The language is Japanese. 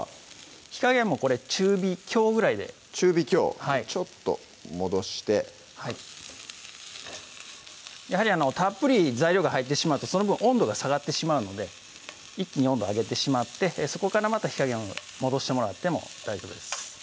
火加減もこれ中火強ぐらいで中火強ちょっと戻してやはりたっぷり材料が入ってしまうとその分温度が下がってしまうので一気に温度上げてしまってそこからまた火加減を戻してもらっても大丈夫です